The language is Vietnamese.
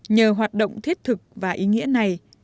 nhờ hoạt động thiết thực và ý nghĩa này